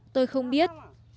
tôi không biết